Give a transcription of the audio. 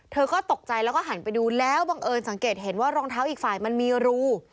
เธอก็ตกใจแล้วก็หันไปดูแล้วบังเอิญสังเกตเห็นว่ารองเท้าอีกฝ่ายมันมีรู